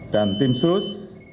dan tim sus